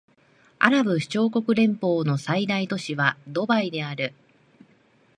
アラブ首長国連邦の最大都市はドバイである